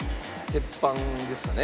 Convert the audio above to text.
鉄板ですかね？